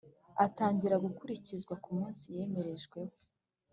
Atangira gukurikizwa ku munsi yemerejweho